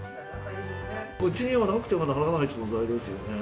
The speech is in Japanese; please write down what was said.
うちにはなくてはならない存在ですよね。